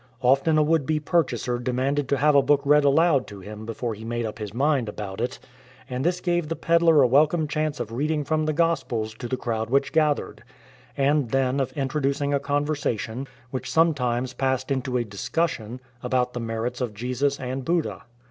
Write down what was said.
Often a would be purchaser demanded to have a book read aloud to him before he made up his mind about it, and this gave the pedlar a welcome chance of reading from the Gospels to the crowd which gathered, and then of introducing a conversation, which sometimes passed into a discussion, about the merits of Jesus and Buddha.